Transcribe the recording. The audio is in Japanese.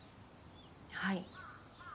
はい。